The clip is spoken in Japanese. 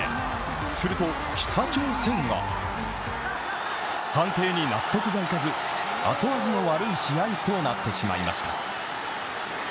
すると北朝鮮が判定に納得がいかず、後味の悪い試合となってしまいました。